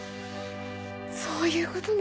そういうことね。